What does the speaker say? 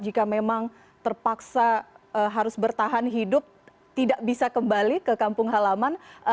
jika memang terpaksa harus bertahan hidup tidak bisa kembali ke kampung halaman